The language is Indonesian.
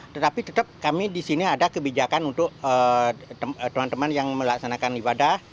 tetapi tetap kami di sini ada kebijakan untuk teman teman yang melaksanakan ibadah